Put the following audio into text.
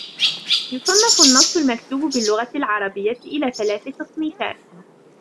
يصنف النص المكتوب باللغة العربية الى ثلاث تصنيفات